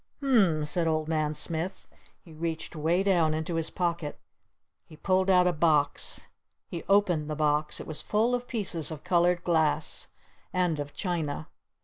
"U m m," said Old Man Smith. He reached way down into his pocket. He pulled out a box. He opened the box. It was full of pieces of colored glass! And of china!